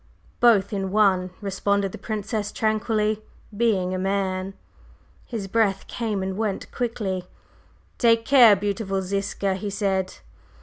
"Both in one," responded the Princess, tranquilly; "being a man!" His breath came and went quickly. "Take care, beautiful Ziska!" he said.